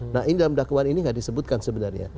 nah ini dalam dakwaan ini tidak disebutkan sebenarnya